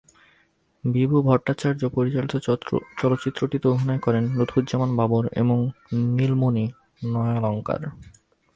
বিভু ভট্টাচার্য পরিচালিত চলচ্চিত্রটিতে অভিনয় করেন লুৎফুজ্জামান বাবর এবং নীলমণি ন্যায়ালঙ্কার।